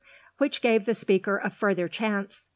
Which gave the speaker a further chance.